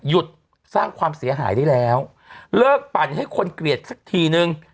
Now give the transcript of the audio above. หยุดสร้างความเสียหายได้แล้วเลิกปั่นให้คนเกลียดสักทีนึง